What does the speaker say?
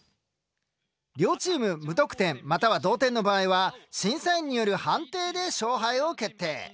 両チーム無得点または同点の場合は審査員による判定で勝敗を決定。